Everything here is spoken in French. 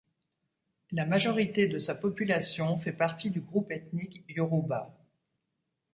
La majorité de sa population fait partie du groupe ethnique Yoruba.